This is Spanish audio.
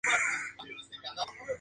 Fue el primer conde de San Luis.